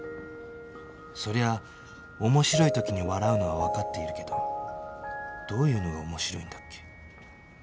そりゃあ面白い時に笑うのはわかっているけどどういうのが面白いんだっけ？